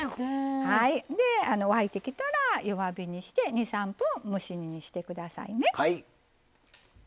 沸いてきたら弱火にして２３分蒸し煮にしてくださいね。